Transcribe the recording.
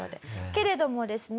けれどもですね